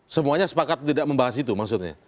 semuanya sepakat tidak membahas itu maksudnya